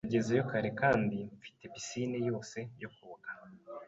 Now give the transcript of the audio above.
Nagezeyo kare kandi mfite pisine yose yo koga.